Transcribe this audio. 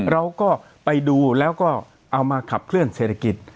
เราก็ไปดูแล้วก็เอามาขับเคลื่อนเศรษฐกิจ